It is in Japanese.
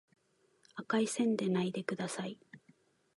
赤い線でないでください